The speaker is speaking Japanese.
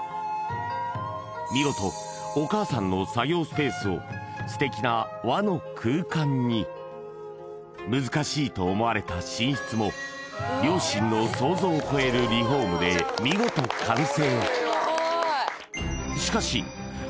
見事お母さんの作業スペースを素敵な和の空間に難しいと思われた寝室も両親の想像を超えるリフォームで見事完成